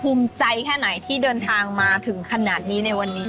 ภูมิใจแค่ไหนที่เดินทางมาถึงขนาดนี้ในวันนี้